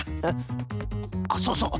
あっそうそう。